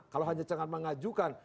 kalau hanya cengat mengajukan